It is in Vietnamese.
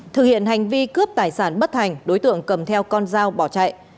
thực hiện hành vi cướp tài sản bất thành đối tượng cầm theo con dao bỏ chạy